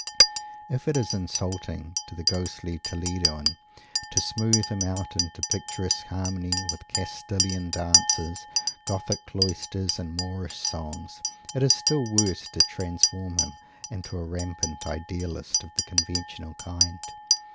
If it is insulting to the ghostly Toledoan to smooth him out into picturesque harmony with Castillian dances, Gothic cloisters and Moorish songs, it is still worse to transform him into a rampant Idealist of the conventional kind.